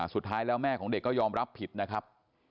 สุดท้ายแล้วแม่ของเด็กก็ยอมรับผิดนะครับ